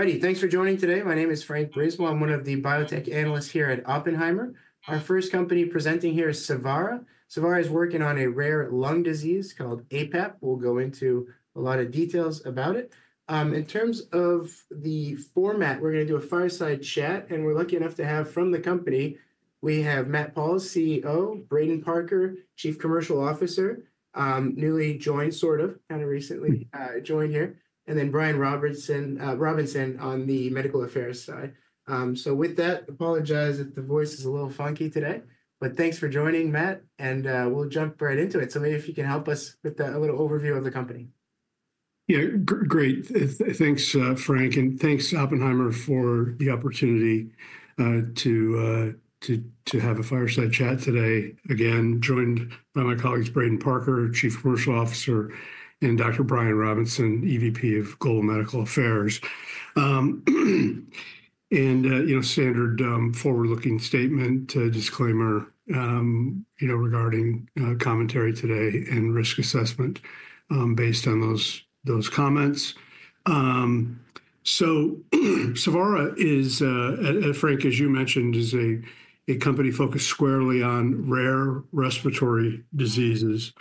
Alright, thanks for joining today. My name is François Brisebois. I'm one of the biotech analysts here at Oppenheimer. Our first company presenting here is Savara. Savara is working on a rare lung disease called APAP. We'll go into a lot of details about it. In terms of the format, we're going to do a fireside chat, and we're lucky enough to have from the company. We have Matt Pauls, CEO, Braden Parker, Chief Commercial Officer, newly joined, sort of kind of recently joined here, and then Brian Robinson on the medical affairs side. So with that, apologize if the voice is a little funky today, but thanks for joining, Matt, and we'll jump right into it. So maybe if you can help us with that little overview of the company. Yeah, great. Thanks, Frank, and thanks, Oppenheimer, for the opportunity to have a fireside chat today. Again, joined by my colleagues, Braden Parker, Chief Commercial Officer, and Dr. Brian Robinson, EVP of Global Medical Affairs. And, you know, standard forward-looking statement, disclaimer, you know, regarding commentary today and risk assessment based on those comments. So Savara is, François, as you mentioned, is a company focused squarely on rare respiratory diseases,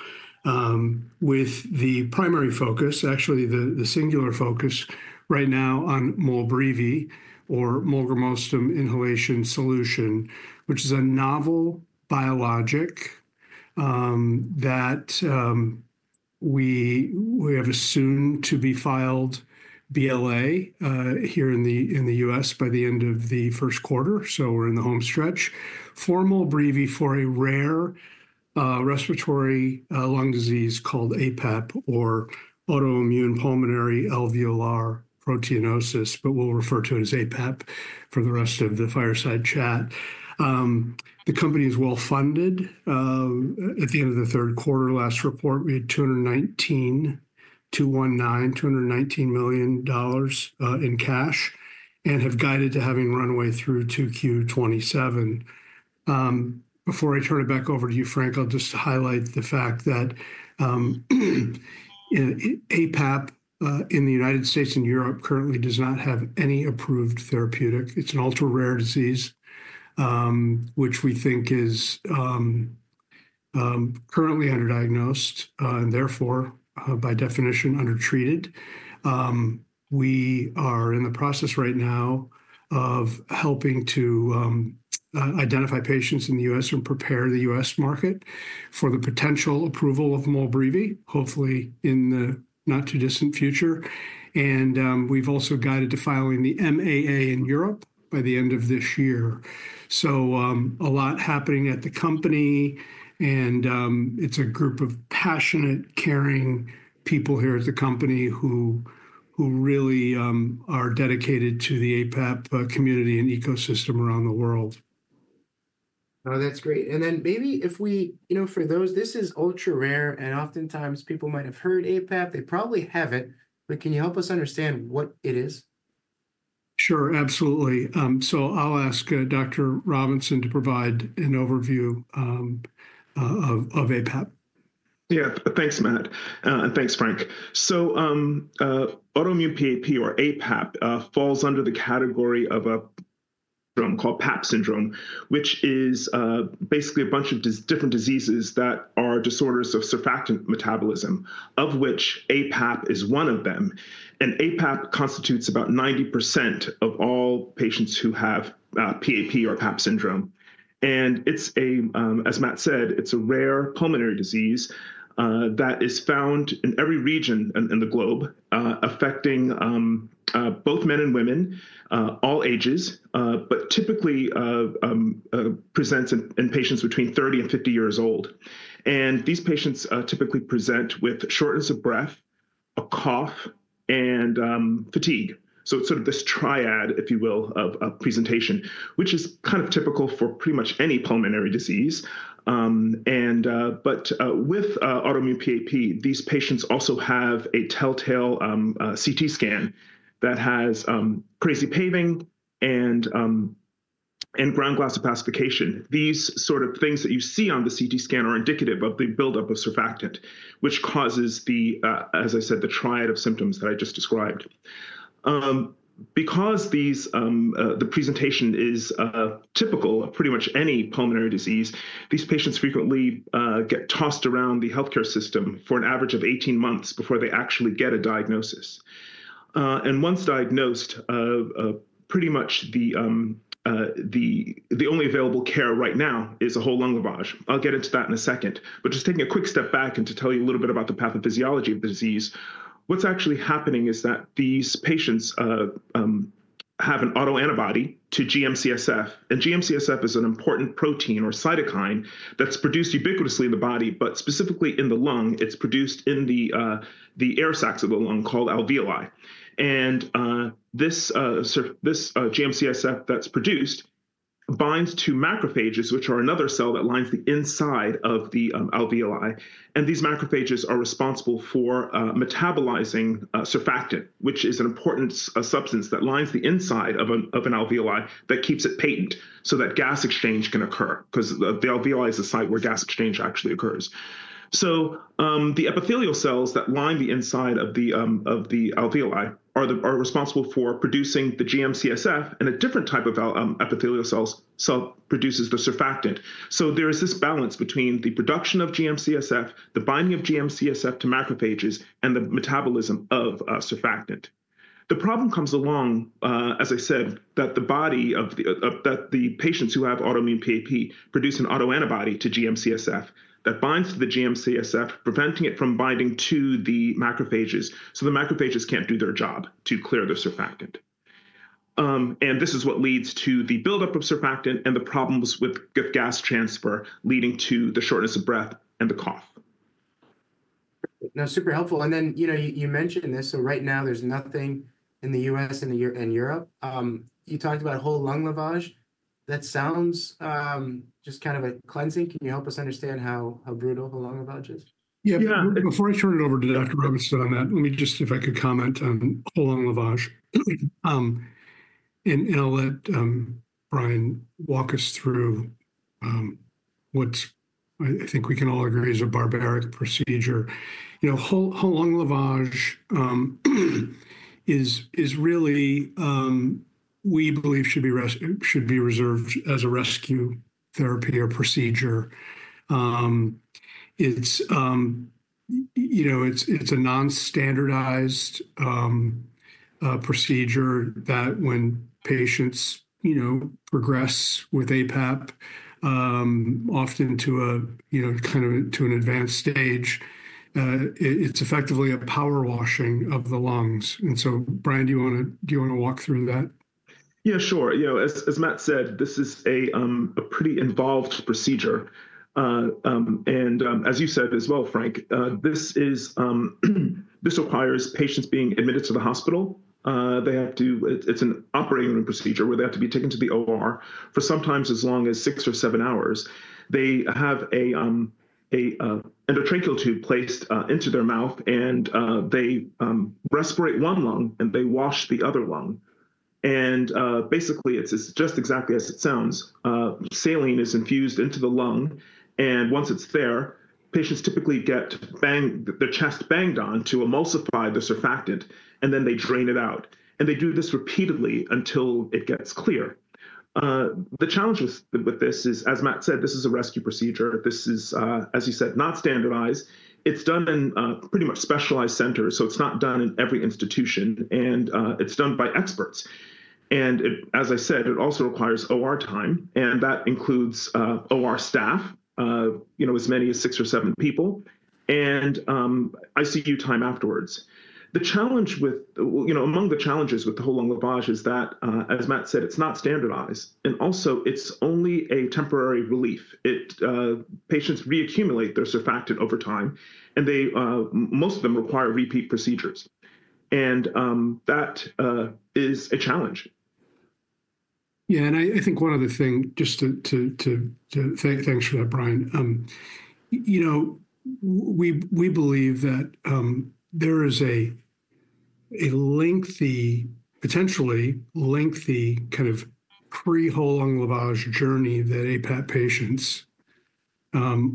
with the primary focus, actually the singular focus right now, on Molbreevi, or molgramostim inhalation solution, which is a novel biologic that we have a soon-to-be-filed BLA here in the U.S. by the end of the first quarter. So we're in the home stretch. Molbreevi for a rare respiratory lung disease called APAP, or autoimmune pulmonary alveolar proteinosis, but we'll refer to it as APAP for the rest of the fireside chat. The company is well funded. At the end of the third quarter last report, we had $219 million in cash, and have guided to having runway through 2027. Before I turn it back over to you, Frank, I'll just highlight the fact that APAP in the United States and Europe currently does not have any approved therapeutic. It's an ultra-rare disease, which we think is currently underdiagnosed and therefore, by definition, undertreated. We are in the process right now of helping to identify patients in the US and prepare the US market for the potential approval of Molbreevi, hopefully in the not-too-distant future, and we've also guided to filing the MAA in Europe by the end of this year. So a lot happening at the company, and it's a group of passionate, caring people here at the company who really are dedicated to the APAP community and ecosystem around the world. Oh, that's great. And then maybe if we, you know, for those, this is ultra-rare, and oftentimes people might have heard APAP. They probably haven't, but can you help us understand what it is? Sure, absolutely. I'll ask Dr. Robinson to provide an overview of APAP. Yeah, thanks, Matt. And thanks, Frank. So autoimmune PAP, or APAP, falls under the category of a syndrome called PAP syndrome, which is basically a bunch of different diseases that are disorders of surfactant metabolism, of which APAP is one of them. And APAP constitutes about 90% of all patients who have PAP or PAP syndrome. And it's a, as Matt said, it's a rare pulmonary disease that is found in every region in the globe, affecting both men and women, all ages, but typically presents in patients between 30 and 50 years old. And these patients typically present with shortness of breath, a cough, and fatigue. So it's sort of this triad, if you will, of presentation, which is kind of typical for pretty much any pulmonary disease. But with autoimmune PAP, these patients also have a telltale CT scan that has crazy paving and ground-glass opacification. These sort of things that you see on the CT scan are indicative of the buildup of surfactant, which causes the, as I said, the triad of symptoms that I just described. Because the presentation is typical of pretty much any pulmonary disease, these patients frequently get tossed around the healthcare system for an average of 18 months before they actually get a diagnosis. And once diagnosed, pretty much the only available care right now is a whole lung lavage. I'll get into that in a second, but just taking a quick step back and to tell you a little bit about the pathophysiology of the disease. What's actually happening is that these patients have an autoantibody to GM-CSF, and GM-CSF is an important protein or cytokine that's produced ubiquitously in the body, but specifically in the lung. It's produced in the air sacs of the lung called alveoli. And this GM-CSF that's produced binds to macrophages, which are another cell that lines the inside of the alveoli. And these macrophages are responsible for metabolizing surfactant, which is an important substance that lines the inside of an alveoli that keeps it patent so that gas exchange can occur, because the alveoli is a site where gas exchange actually occurs. So the epithelial cells that line the inside of the alveoli are responsible for producing the GM-CSF, and a different type of epithelial cells produces the surfactant. So there is this balance between the production of GM-CSF, the binding of GM-CSF to macrophages, and the metabolism of surfactant. The problem comes along, as I said, that the body of the patients who have autoimmune PAP produce an autoantibody to GM-CSF that binds to the GM-CSF, preventing it from binding to the macrophages. So the macrophages can't do their job to clear the surfactant, and this is what leads to the buildup of surfactant and the problems with gas transfer leading to the shortness of breath and the cough. Now, super helpful. And then, you know, you mentioned this, so right now there's nothing in the U.S. and Europe. You talked about whole lung lavage. That sounds just kind of like cleansing. Can you help us understand how brutal a lung lavage is? Yeah, before I turn it over to Dr. Robinson on that, let me just, if I could, comment on whole lung lavage, and I'll let Brian walk us through what I think we can all agree is a barbaric procedure. You know, whole lung lavage is really, we believe, should be reserved as a rescue therapy or procedure. It's, you know, it's a non-standardized procedure that when patients, you know, progress with APAP, often to a, you know, kind of to an advanced stage, it's effectively a power washing of the lungs. And so, Brian, do you want to walk through that? Yeah, sure. You know, as Matt said, this is a pretty involved procedure. And as you said as well, Frank, this requires patients being admitted to the hospital. They have to, it's an operating room procedure where they have to be taken to the OR for sometimes as long as six or seven hours. They have an endotracheal tube placed into their mouth, and they respirate one lung and they wash the other lung. And basically, it's just exactly as it sounds. Saline is infused into the lung, and once it's there, patients typically get their chest banged on to emulsify the surfactant, and then they drain it out. And they do this repeatedly until it gets clear. The challenge with this is, as Matt said, this is a rescue procedure. This is, as you said, not standardized. It's done in pretty much specialized centers, so it's not done in every institution, and it's done by experts. And as I said, it also requires OR time, and that includes OR staff, you know, as many as six or seven people, and ICU time afterwards. The challenge with, you know, among the challenges with the whole lung lavage is that, as Matt said, it's not standardized, and also it's only a temporary relief. Patients reaccumulate their surfactant over time, and most of them require repeat procedures. And that is a challenge. Yeah, and I think one other thing, just to thank for that, Brian. You know, we believe that there is a lengthy, potentially lengthy kind of pre-whole lung lavage journey that APAP patients, you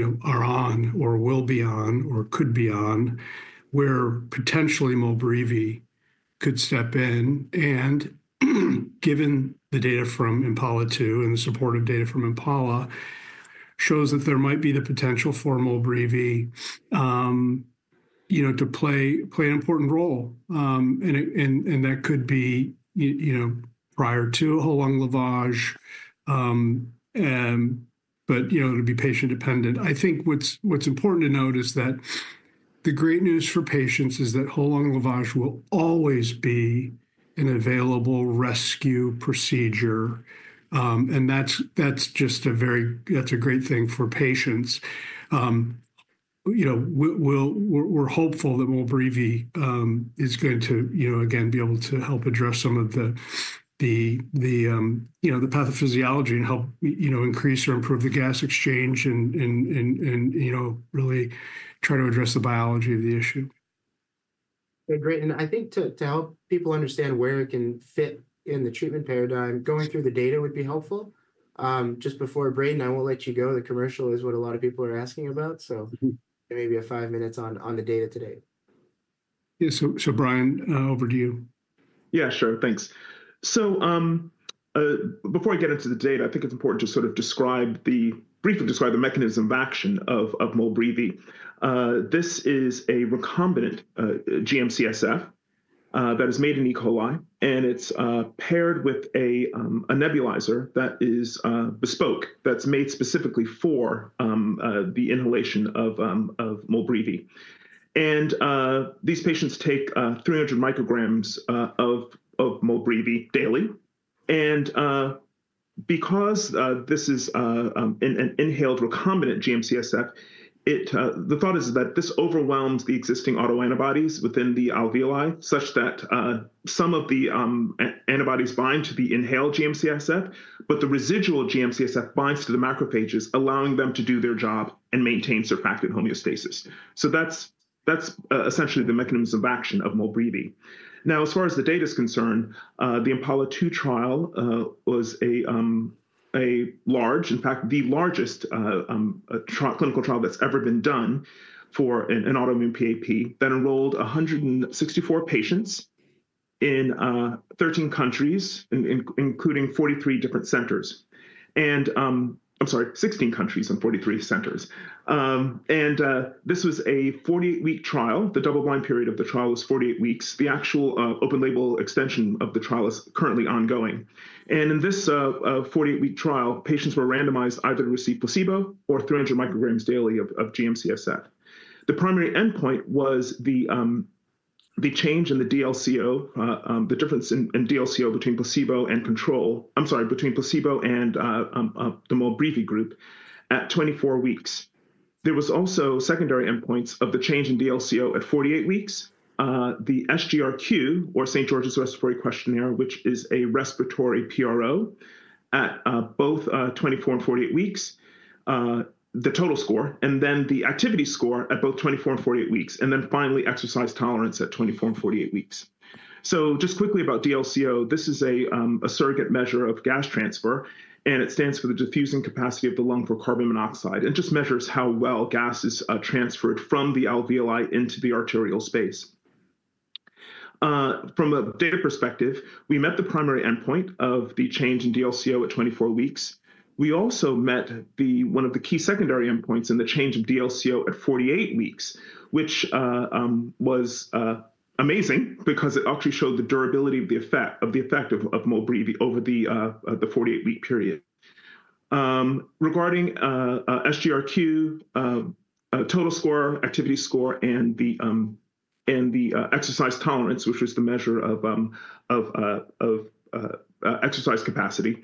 know, are on or will be on or could be on, where potentially Molbreevi could step in. And given the data from IMPALA-2 and the support of data from IMPALA shows that there might be the potential for Molbreevi, you know, to play an important role. And that could be, you know, prior to a whole lung lavage, but, you know, it would be patient dependent. I think what's important to note is that the great news for patients is that whole lung lavage will always be an available rescue procedure. And that's a great thing for patients. You know, we're hopeful that Molbreevi is going to, you know, again, be able to help address some of the, you know, the pathophysiology and help, you know, increase or improve the gas exchange and, you know, really try to address the biology of the issue. Great. And I think to help people understand where it can fit in the treatment paradigm, going through the data would be helpful. Just before Braden, I won't let you go. The commercial is what a lot of people are asking about, so maybe a five minutes on the data today. Yeah, so Brian, over to you. Yeah, sure, thanks. Before I get into the data, I think it's important to sort of briefly describe the mechanism of action of Molbreevi. This is a recombinant GM-CSF that is made in E. coli, and it's paired with a nebulizer that is bespoke that's made specifically for the inhalation of Molbreevi. These patients take 300 micrograms of Molbreevi daily. Because this is an inhaled recombinant GM-CSF, the thought is that this overwhelms the existing autoantibodies within the alveoli such that some of the antibodies bind to the inhaled GM-CSF, but the residual GM-CSF binds to the macrophages, allowing them to do their job and maintain surfactant homeostasis. That's essentially the mechanism of action of Molbreevi. Now, as far as the data is concerned, the IMPALA-2 trial was a large, in fact, the largest clinical trial that's ever been done for an autoimmune PAP that enrolled 164 patients in 13 countries, including 43 different centers. I'm sorry, 16 countries and 43 centers. This was a 48-week trial. The double-blind period of the trial was 48 weeks. The actual open label extension of the trial is currently ongoing. In this 48-week trial, patients were randomized either to receive placebo or 300 micrograms daily of GM-CSF. The primary endpoint was the change in the DLCO, the difference in DLCO between placebo and control. I'm sorry, between placebo and the Molbreevi group at 24 weeks. There were also secondary endpoints of the change in DLCO at 48 weeks, the SGRQ, or St. George's Respiratory Questionnaire, which is a respiratory PRO at both 24 and 48 weeks, the total score, and then the activity score at both 24 and 48 weeks, and then finally exercise tolerance at 24 and 48 weeks. So just quickly about DLCO, this is a surrogate measure of gas transfer, and it stands for the diffusing capacity of the lung for carbon monoxide and just measures how well gas is transferred from the alveoli into the arterial space. From a data perspective, we met the primary endpoint of the change in DLCO at 24 weeks. We also met one of the key secondary endpoints in the change of DLCO at 48 weeks, which was amazing because it actually showed the durability of the effect of Molbreevi over the 48-week period. Regarding SGRQ, total score, activity score, and the exercise tolerance, which was the measure of exercise capacity,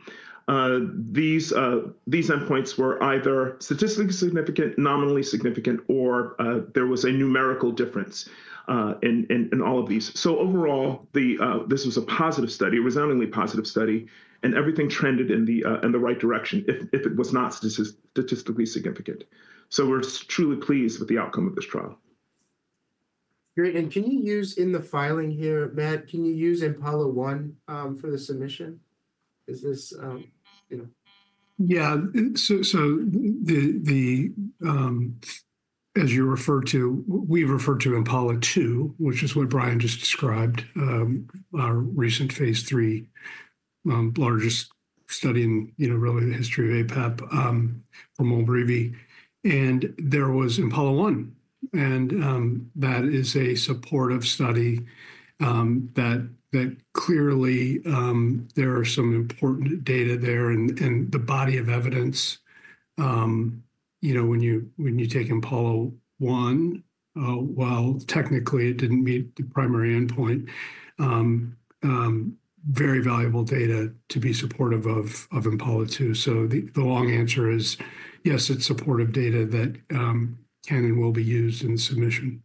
these endpoints were either statistically significant, nominally significant, or there was a numerical difference in all of these. So overall, this was a positive study, a resoundingly positive study, and everything trended in the right direction if it was not statistically significant. So we're truly pleased with the outcome of this trial. Great. And can you use in the filing here, Matt, can you use IMPALA-1 for the submission? Is this, you know? Yeah. So as you refer to, we refer to IMPALA-2, which is what Brian just described, our recent phase three, largest study in, you know, really the history of APAP for Molbreevi. And there was IMPALA-1, and that is a supportive study that clearly there are some important data there and the body of evidence, you know, when you take IMPALA-1, while technically it didn't meet the primary endpoint, very valuable data to be supportive of IMPALA-2. So the long answer is yes, it's supportive data that can and will be used in the submission.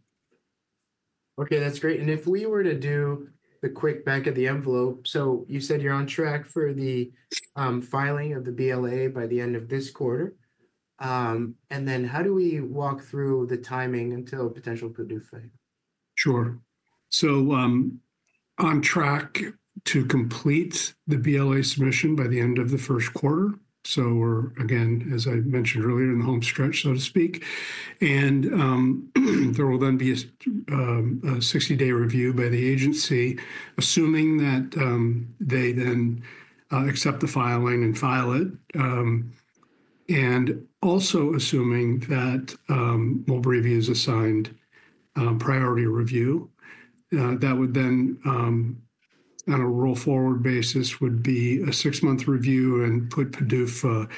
Okay, that's great. And if we were to do the quick back of the envelope, so you said you're on track for the filing of the BLA by the end of this quarter. And then how do we walk through the timing until potential PDUFA? Sure. So I'm tracked to complete the BLA submission by the end of the first quarter. So we're, again, as I mentioned earlier, in the home stretch, so to speak. And there will then be a 60-day review by the agency, assuming that they then accept the filing and file it. And also assuming that Molbreevi is assigned priority review, that would then, on a roll-forward basis, would be a six-month review and put PDUFA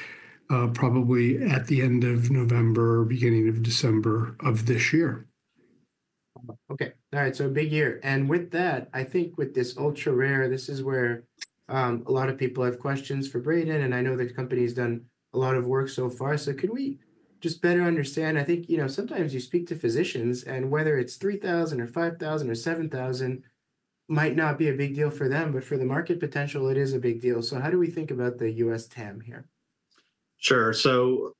probably at the end of November, beginning of December of this year. Okay. All right. Big year. With that, I think with this ultra rare, this is where a lot of people have questions for Braden, and I know the company has done a lot of work so far. So could we just better understand? I think, you know, sometimes you speak to physicians, and whether it's 3,000 or 5,000 or 7,000 might not be a big deal for them, but for the market potential, it is a big deal. So how do we think about the U.S. TAM here? Sure, so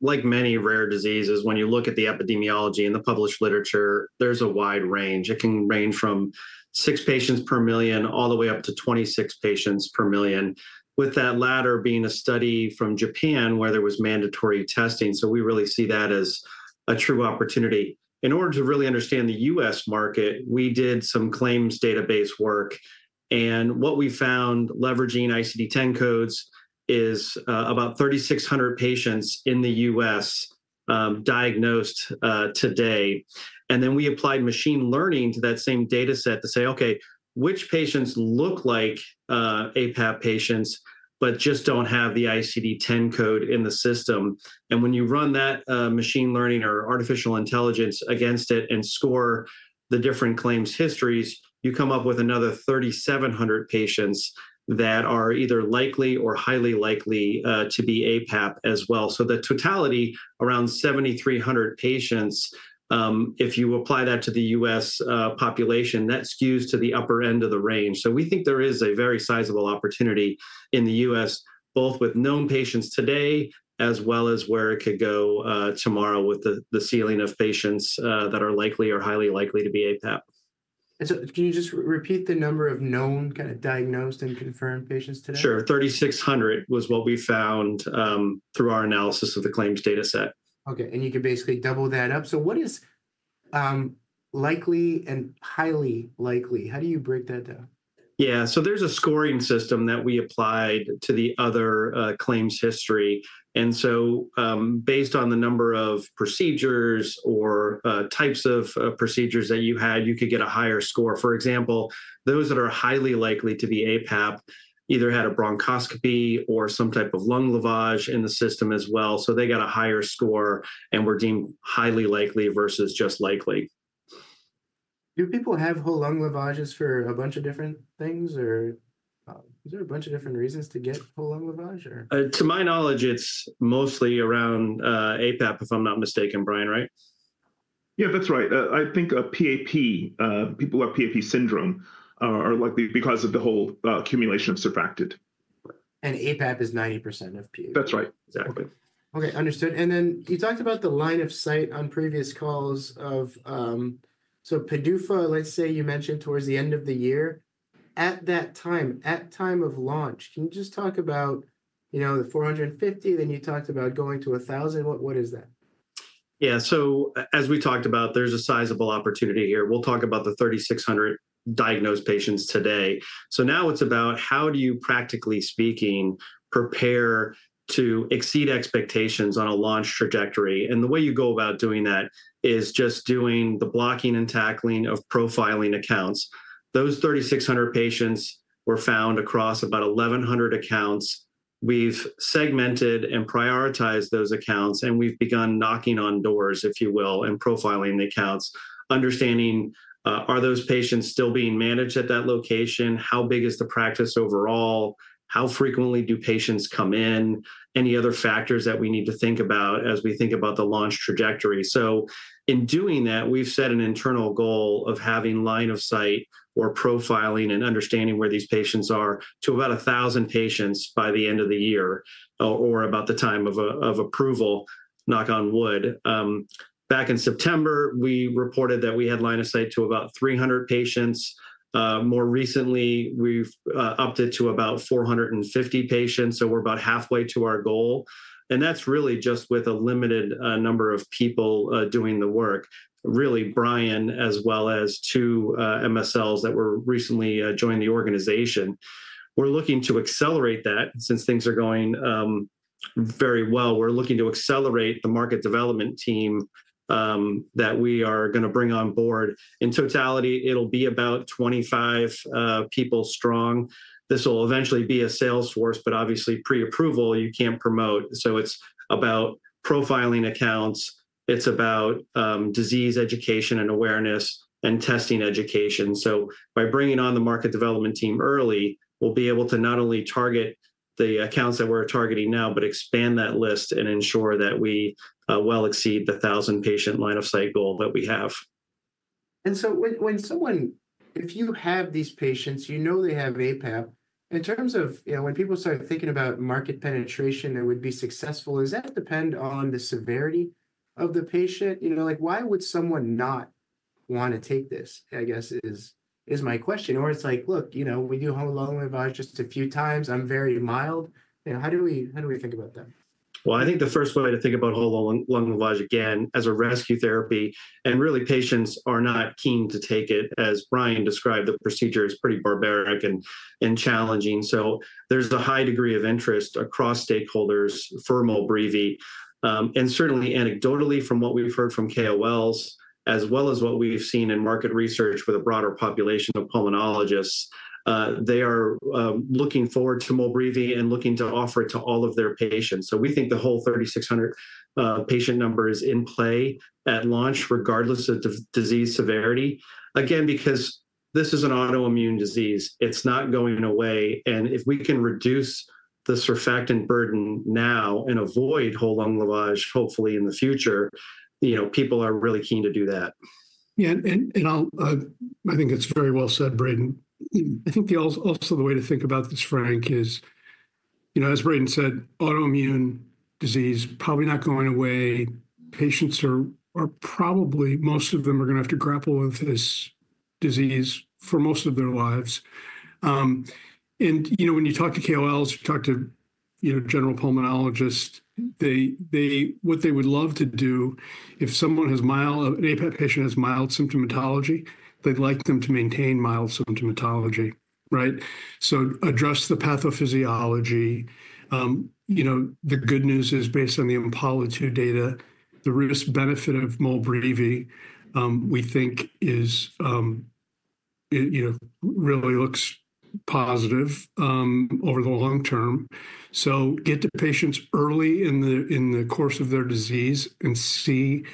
like many rare diseases, when you look at the epidemiology and the published literature, there's a wide range. It can range from six patients per million all the way up to 26 patients per million. With that latter being a study from Japan where there was mandatory testing, so we really see that as a true opportunity. In order to really understand the US market, we did some claims database work, and what we found leveraging ICD-10 codes is about 3,600 patients in the US diagnosed today, and then we applied machine learning to that same dataset to say, okay, which patients look like APAP patients, but just don't have the ICD-10 code in the system. When you run that machine learning or artificial intelligence against it and score the different claims histories, you come up with another 3,700 patients that are either likely or highly likely to be APAP as well. The totality, around 7,300 patients, if you apply that to the U.S. population, skews to the upper end of the range. We think there is a very sizable opportunity in the U.S., both with known patients today as well as where it could go tomorrow with the ceiling of patients that are likely or highly likely to be APAP. Can you just repeat the number of known kind of diagnosed and confirmed patients today? Sure. 3,600 was what we found through our analysis of the claims dataset. Okay, and you could basically double that up, so what is likely and highly likely? How do you break that down? Yeah. So there's a scoring system that we applied to the other claims history, and so based on the number of procedures or types of procedures that you had, you could get a higher score. For example, those that are highly likely to be APAP either had a bronchoscopy or some type of lung lavage in the system as well, so they got a higher score and were deemed highly likely versus just likely. Do people have whole lung lavages for a bunch of different things? Or is there a bunch of different reasons to get whole lung lavage? To my knowledge, it's mostly around APAP, if I'm not mistaken, Brian, right? Yeah, that's right. I think APAP, people who have PAP syndrome are likely because of the whole accumulation of surfactant. APAP is 90% of PAP. That's right. Exactly. Okay. Understood. And then you talked about the line of sight on previous calls of, so PDUFA, let's say you mentioned towards the end of the year. At that time, at time of launch, can you just talk about, you know, the 450, then you talked about going to 1,000. What is that? Yeah. So as we talked about, there's a sizable opportunity here. We'll talk about the 3,600 diagnosed patients today. So now it's about how do you, practically speaking, prepare to exceed expectations on a launch trajectory. And the way you go about doing that is just doing the blocking and tackling of profiling accounts. Those 3,600 patients were found across about 1,100 accounts. We've segmented and prioritized those accounts, and we've begun knocking on doors, if you will, and profiling the accounts, understanding are those patients still being managed at that location? How big is the practice overall? How frequently do patients come in? Any other factors that we need to think about as we think about the launch trajectory? So in doing that, we've set an internal goal of having line of sight or profiling and understanding where these patients are to about 1,000 patients by the end of the year or about the time of approval, knock on wood. Back in September, we reported that we had line of sight to about 300 patients. More recently, we've upped it to about 450 patients. So we're about halfway to our goal. And that's really just with a limited number of people doing the work, really, Brian as well as two MSLs that were recently joined the organization. We're looking to accelerate that since things are going very well. We're looking to accelerate the market development team that we are going to bring on board. In totality, it'll be about 25 people strong. This will eventually be a sales force, but obviously pre-approval, you can't promote. So it's about profiling accounts. It's about disease education and awareness and testing education. So by bringing on the market development team early, we'll be able to not only target the accounts that we're targeting now, but expand that list and ensure that we well exceed the 1,000-patient line of sight goal that we have. And so when someone, if you have these patients, you know they have APAP, in terms of, you know, when people start thinking about market penetration that would be successful, does that depend on the severity of the patient? You know, like, why would someone not want to take this, I guess, is my question. Or it's like, look, you know, we do whole lung lavage just a few times. I'm very mild. How do we think about that? I think the first way to think about whole lung lavage, again, as a rescue therapy, and really patients are not keen to take it, as Brian described, the procedure is pretty barbaric and challenging, so there's a high degree of interest across stakeholders for Molbreevi, and certainly anecdotally, from what we've heard from KOLs, as well as what we've seen in market research with a broader population of pulmonologists, they are looking forward to Molbreevi and looking to offer it to all of their patients, so we think the whole 3,600 patient number is in play at launch, regardless of disease severity, again, because this is an autoimmune disease, it's not going away, and if we can reduce the surfactant burden now and avoid whole lung lavage, hopefully in the future, you know, people are really keen to do that. Yeah. And I think it's very well said, Braden. I think also the way to think about this, Frank, is, you know, as Braden said, autoimmune disease, probably not going away. Patients are probably, most of them are going to have to grapple with this disease for most of their lives. And, you know, when you talk to KOLs, you talk to, you know, general pulmonologists, what they would love to do, if someone has mild, an APAP patient has mild symptomatology, they'd like them to maintain mild symptomatology, right? So address the pathophysiology. You know, the good news is based on the IMPALA-2 data, the risk-benefit of Molbreevi, we think is, you know, really looks positive over the long term. So get to patients early in the course of their disease and see,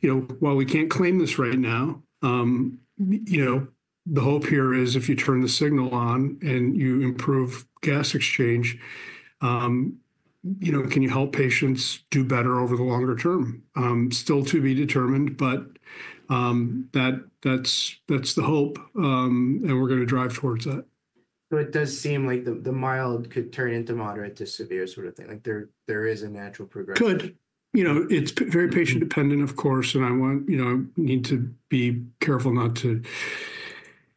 you know, while we can't claim this right now, you know, the hope here is if you turn the signal on and you improve gas exchange, you know, can you help patients do better over the longer term? Still to be determined, but that's the hope. And we're going to drive towards that. So it does seem like the mild could turn into moderate to severe sort of thing. Like there is a natural progression. Good. You know, it's very patient-dependent, of course, and I want, you know, I need to be careful not to,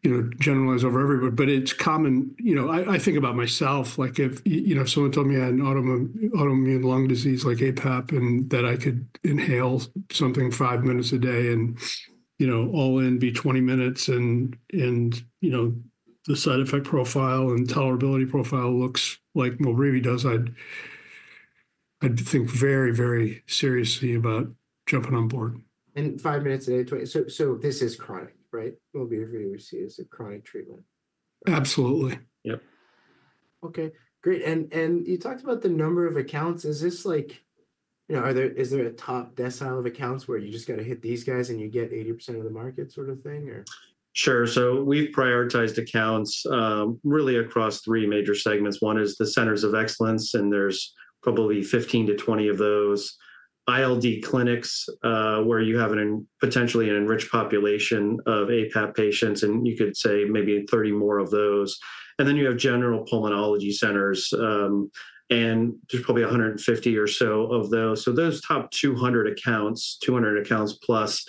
you know, generalize over everyone, but it's common, you know, I think about myself, like if, you know, if someone told me I had an autoimmune lung disease like APAP and that I could inhale something five minutes a day and, you know, all in be 20 minutes and, you know, the side effect profile and tolerability profile looks like Molbreevi does, I'd think very, very seriously about jumping on board. And five minutes a day, 20. So this is chronic, right? Molbreevi we see as a chronic treatment. Absolutely. Yep. Okay. Great. And you talked about the number of accounts. Is this like, you know, is there a top decile of accounts where you just got to hit these guys and you get 80% of the market sort of thing or? Sure. So we've prioritized accounts really across three major segments. One is the centers of excellence, and there's probably 15 to 20 of those. ILD clinics, where you have potentially an enriched population of APAP patients, and you could say maybe 30 more of those. And then you have general pulmonology centers, and there's probably 150 or so of those. So those top 200 accounts, 200 accounts plus,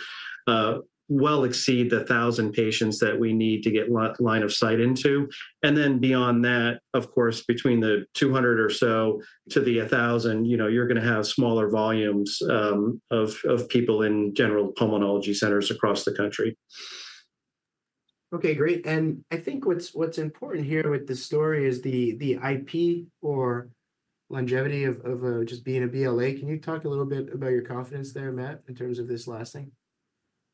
well exceed the 1,000 patients that we need to get line of sight into. And then beyond that, of course, between the 200 or so to the 1,000, you know, you're going to have smaller volumes of people in general pulmonology centers across the country. Okay. Great. And I think what's important here with the story is the IP or longevity of just being a BLA. Can you talk a little bit about your confidence there, Matt, in terms of this last thing?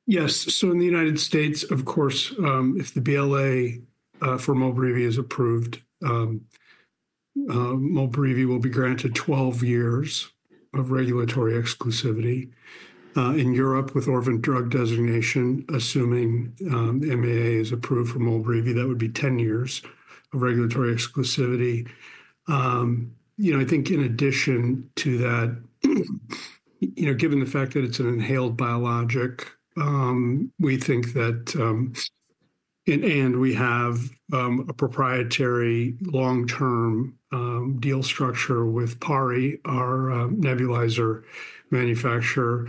Yes. So in the United States, of course, if the BLA for Molbreevi is approved, Molbreevi will be granted 12 years of regulatory exclusivity. In Europe with orphan drug designation, assuming MAA is approved for Molbreevi, that would be 10 years of regulatory exclusivity. You know, I think in addition to that, you know, given the fact that it's an inhaled biologic, we think that, and we have a proprietary long-term deal structure with PARI, our nebulizer manufacturer.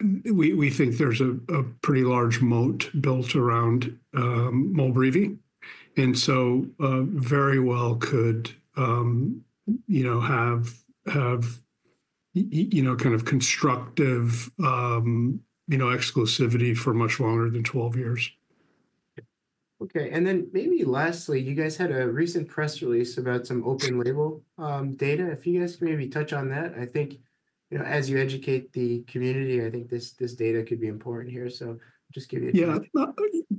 We think there's a pretty large moat built around Molbreevi. And so very well could, you know, have, you know, kind of constructive, you know, exclusivity for much longer than 12 years. Okay. And then maybe lastly, you guys had a recent press release about some open label data. If you guys could maybe touch on that. I think, you know, as you educate the community, I think this data could be important here. So just give you a chance. Yeah.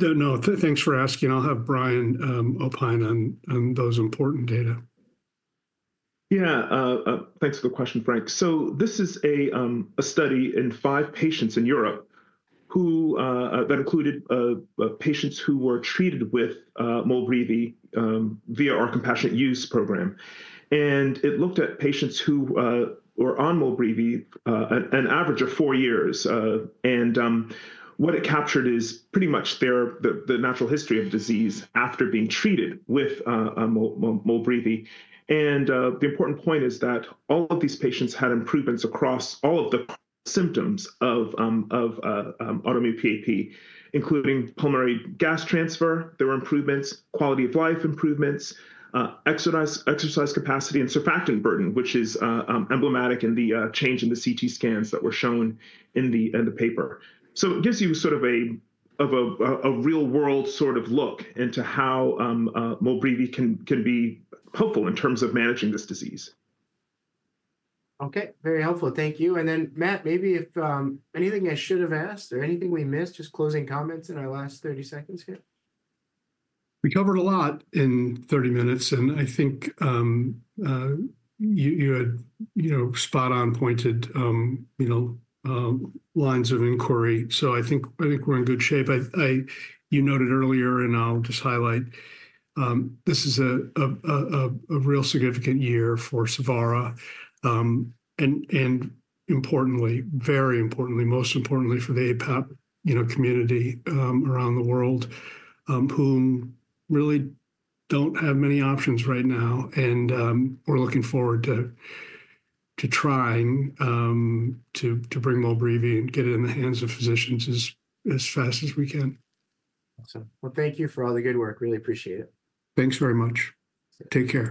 No, thanks for asking. I'll have Brian opine on those important data. Yeah. Thanks for the question, Frank. So this is a study in five patients in Europe that included patients who were treated with Molbreevi via our compassionate use program. And it looked at patients who were on Molbreevi an average of four years. And what it captured is pretty much the natural history of disease after being treated with Molbreevi. And the important point is that all of these patients had improvements across all of the symptoms of autoimmune PAP, including pulmonary gas transfer. There were improvements, quality of life improvements, exercise capacity, and surfactant burden, which is emblematic in the change in the CT scans that were shown in the paper. So it gives you sort of a real-world sort of look into how Molbreevi can be helpful in terms of managing this disease. Okay. Very helpful. Thank you. And then, Matt, maybe if anything I should have asked or anything we missed, just closing comments in our last 30 seconds here? We covered a lot in 30 minutes, and I think you had, you know, spot-on pointed, you know, lines of inquiry. So I think we're in good shape. You noted earlier, and I'll just highlight, this is a real significant year for Savara and importantly, very importantly, most importantly for the APAP, you know, community around the world, whom really don't have many options right now. And we're looking forward to trying to bring Molbreevi and get it in the hands of physicians as fast as we can. Excellent. Well, thank you for all the good work. Really appreciate it. Thanks very much. Take care.